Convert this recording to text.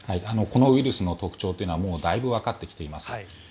このウイルスの特徴はもうだいぶわかってきています。